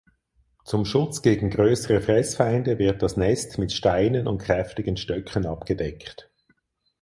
Zum Schutz gegen größere Fressfeinde wird das Nest mit Steinen und kräftigen Stöcken abgedeckt.